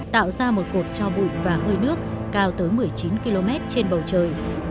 tạo ra một cột cho bụi và hơi nước cao tới một mươi chín km trên bầu trời